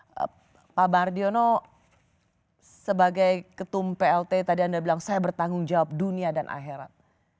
dan pak mardiono sebagai ketum plt tadi anda bilang saya bertanggung jawab dunia dan akhirat